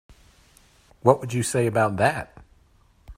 What would you say about that?